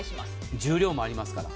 重量もありますから。